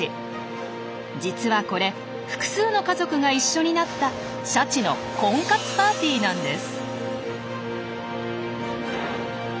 実はこれ複数の家族が一緒になったシャチの婚活パーティーなんです。